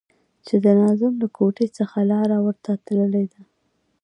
چې د ناظم له کوټې څخه لاره ورته تللې ده.